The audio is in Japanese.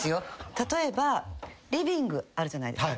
例えばリビングあるじゃないですか。